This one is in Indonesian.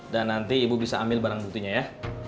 dan nanti ibu bisa ambil barang buktinya ya